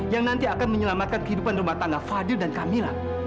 yang nanti akan menyelamatkan kehidupan rumah tangga fadil dan camilla